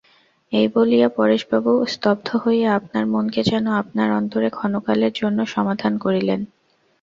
এই বলিয়া পরেশবাবু স্তব্ধ হইয়া আপনার মনকে যেন আপনার অন্তরে ক্ষণকালের জন্য সমাধান করিলেন।